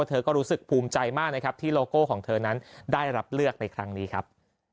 เธอก็รู้สึกภูมิใจมากนะครับที่โลโก้ของเธอนั้นได้รับเลือกในครั้งนี้ครับ